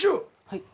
はい。